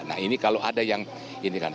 nah ini kalau ada yang ini kan